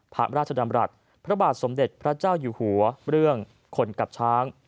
พระราชดำรัฐพระบาทสมเด็จพระเจ้าอยู่หัวเรื่องคนกับช้าง